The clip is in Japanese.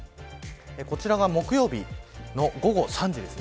こちらが木曜日の午後３時です。